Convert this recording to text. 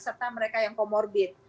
serta mereka yang komorbid